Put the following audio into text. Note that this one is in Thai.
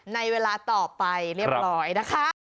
ในเวลาต่อไปเรียบร้อยนะคะ